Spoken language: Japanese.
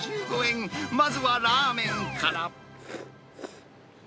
まずはラーメンから。